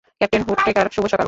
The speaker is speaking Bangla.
ক্যাপ্টেন হুইটেকার, শুভ সকাল।